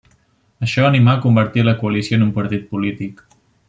Això animà a convertir la coalició en un partit polític.